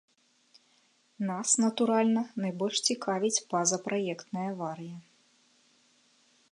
Нас, натуральна, найбольш цікавіць пазапраектная аварыя.